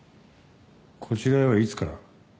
こちらへはいつから？